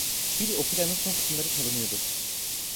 Bir operanın son kısımları çalınıyordu.